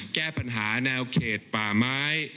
แก้ปัญหาแนวเขตป่าไม้